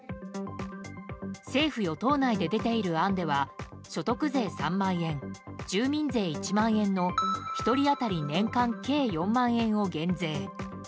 政府・与党内で出ている案では所得税３万円、住民税１万円の１人当たり年間計４万円を減税。